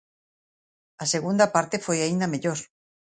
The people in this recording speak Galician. A segunda parte foi aínda mellor.